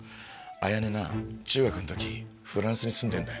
綾音な中学の時フランスに住んでんだよ。